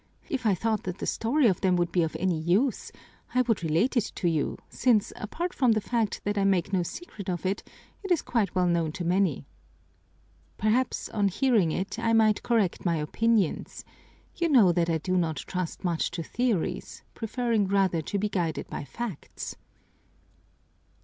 If I thought that the story of them would be of any use, I would relate it to you, since, apart from the fact that I make no secret of it, it is quite well known to many." "Perhaps on hearing it I might correct my opinions. You know that I do not trust much to theories, preferring rather to be guided by facts."